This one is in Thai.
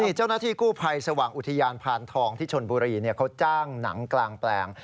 นี่เจ้าหน้าที่กู้ภัยสว่างอุทยานพานทองที่ชนบุรีเขาจ้างหนังกลางแปลง